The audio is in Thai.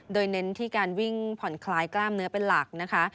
โดยเน้นที่การวิ่งผ่อนคลายกล้ามเนื้อเป็นหลักนะคะ